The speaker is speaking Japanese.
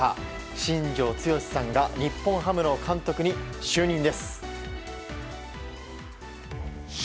新庄剛志さんが日本ハムの監督に就任です。